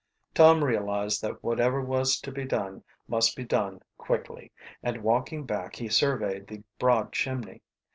Tom realized that whatever was to be done must be done quickly, and walking back he surveyed the broad chimney.